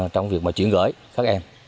trong việc chuyển gửi các em